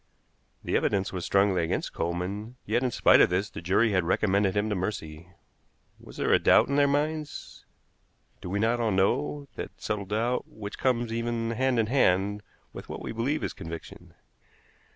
The evidence was strongly against Coleman, yet in spite of this the jury had recommended him to mercy. Was there a doubt in their minds? Do we not all know that subtle doubt which comes even hand in hand with what we believe is conviction?